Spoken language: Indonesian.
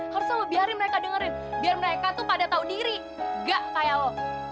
harus lo biarin mereka dengerin biar mereka tuh pada tau diri gak kayak lo